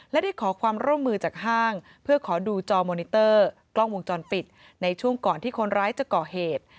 และได้ขอความร่วมมือจากห้างเพื่อขอดูจอมอนิเตอร์กล้องวงจรปิดในช่วงก่อนที่คนร้ายจะก่อเหตุ